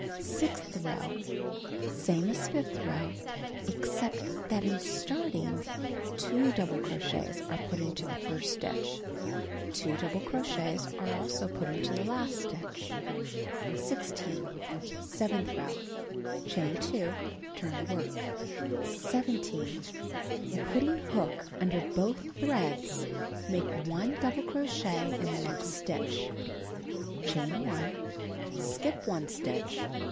Sixth row: Same as fifth row, except that in starting, 2 doul:)le crochets are put into the first stitch; 2 double crochets are also put into the last stitch. 16. Seventh row: Chain 2. Turn the work. 17. Putting hook under both threads, make 1 double crochet in the next stitch. Chain 1. Skip 1 stitch.